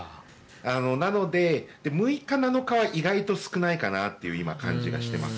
なので、６日、７日は意外に少ないかなという今、感じがしています。